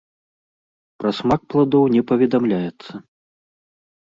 Пра смак пладоў не паведамляецца.